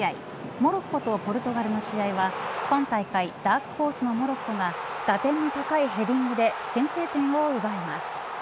モロッコとポルトガルの試合は今大会、ダークホースのモロッコが打点の高いヘディングで先制点を奪います。